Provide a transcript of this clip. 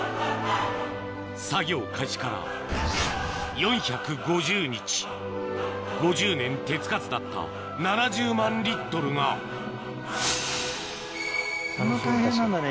作業開始から４５０日５０年手付かずだった７０万がこんな大変なんだね